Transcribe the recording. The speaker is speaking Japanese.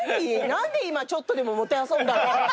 何で今ちょっとでももてあそんだの？